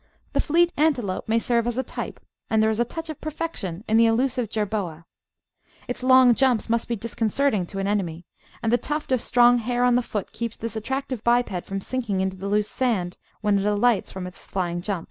The fleet Antelope may serve as a type, and there is a touch of perfection in the elusive Jerboa. Its long jumps must be disconcerting to an enemy, and the tuft of strong hair on the foot keeps this attractive biped from sinking into the loose sand, when it alights from its flying jimip.